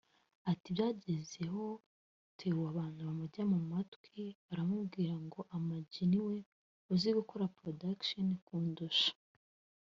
Ati “ Byageze aho Theo abantu bamujya mu matwi baramubwira ngo Ama G niwe uzi gukora production kundusha